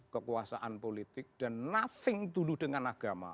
kekuasaan politik dan noving dulu dengan agama